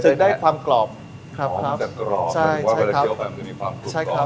ซึ่งได้ความกรอบครับครับอ๋อมันจะกรอบใช่ครับ